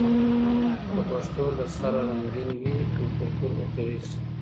که پښتو له سره رنګین وي، نو کلتور به قوي سي.